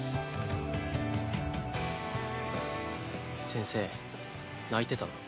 先生泣いてたな。